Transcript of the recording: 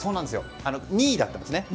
２位だったんですね。